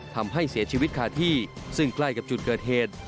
ทำให้เสียชีวิตคาที่ซึ่งใกล้กับจุดเกิดเหตุ